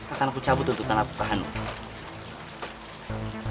akan aku cabut untuk tan hanong